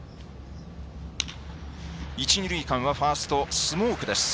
一、二塁間はファーストスモークです。